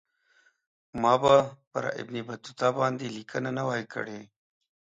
ما به پر ابن بطوطه باندې لیکنه نه وای کړې.